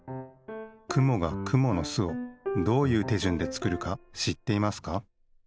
くもがくものすをどういうてじゅんでつくるかしっていますか？